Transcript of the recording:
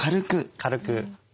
軽く。